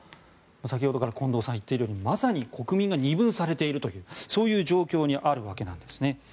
先ほどから近藤さんが言っているようにまさに国民が二分されているという状況にあるわけです。